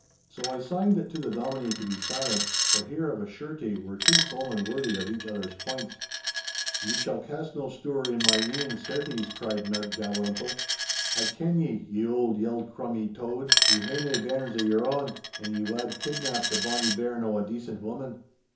So I signed to the Dominie to be silent, for here of a surety were two foemen worthy of each other's points. 'Ye shall cast no stour in my e'en, certes,' cried Meg Dalrymple. 'I ken ye, ye auld yeld crummie Tode. Ye hae nae bairns o' your ain, and ye wad kidnap the bonny bairn o' a decent woman.